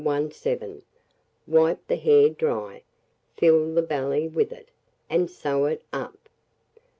417, wipe the hare dry, fill the belly with it, and sew it up.